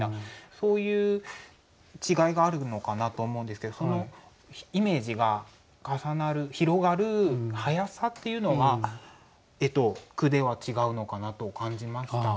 そういう違いがあるのかなとは思うんですけどそのイメージが重なる広がる早さっていうのは絵と句では違うのかなと感じました。